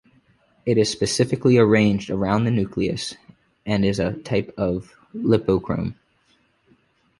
It is specifically arranged around the nucleus, and is a type of lipochrome.